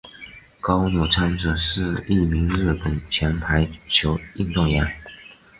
高柳昌子是一名日本前排球运动员。